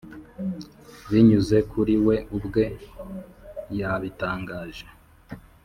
binyuze kuri we ubwe yabitangaje